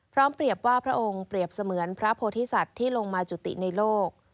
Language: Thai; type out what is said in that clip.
เปรียบว่าพระองค์เปรียบเสมือนพระโพธิสัตว์ที่ลงมาจุติในโลก